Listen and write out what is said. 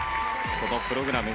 このプログラム